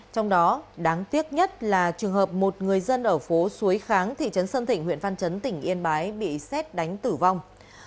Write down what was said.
trong đó đáng tiếc nhất là trường hợp một người dân ở phố suối kháng thị trấn sơn thịnh huyện văn chấn tỉnh yên bái bị xét đánh tử vong